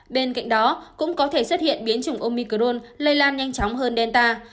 bên cạnh đó cũng có thể xuất hiện biến chủng omicron lây lan nhanh chóng hơn delta